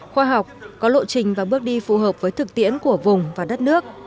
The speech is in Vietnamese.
chương trình và bước đi phù hợp với thực tiễn của vùng và đất nước